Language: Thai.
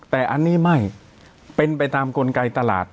แต่อันนี้ไม่เป็นไปตามกลไกตลาด